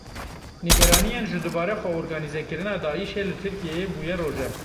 Nîgeraniyên ji dubare xwe organîzekirina Daişê li Tirkiyeyê bûye rojev.